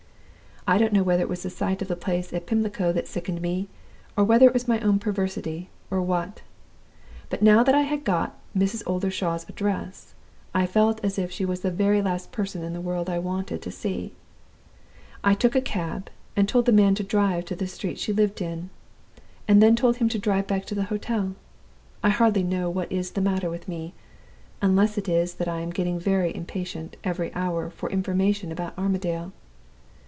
"I don't know whether it was the sight of the place at Pimlico that sickened me, or whether it was my own perversity, or what. But now that I had got Mrs. Oldershaw's address, I felt as if she was the very last person in the world that I wanted to see. I took a cab, and told the man to drive to the street she lived in, and then told him to drive back to the hotel. I hardly know what is the matter with me unless it is that I am getting more impatient every hour for information about Armadale.